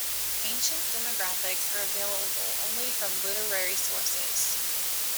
Ancient demographics are available only from literary sources.